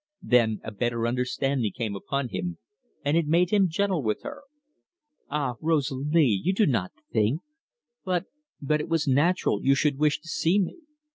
Then a better understanding came upon him, and it made him gentle with her. "Ah, Rosalie, you did not think! But but it was natural you should wish to see me...."